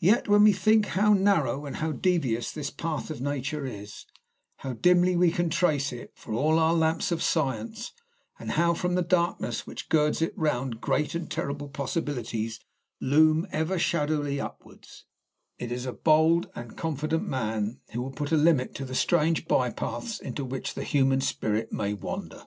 Yet when we think how narrow and how devious this path of Nature is, how dimly we can trace it, for all our lamps of science, and how from the darkness which girds it round great and terrible possibilities loom ever shadowly upwards, it is a bold and confident man who will put a limit to the strange by paths into which the human spirit may wander.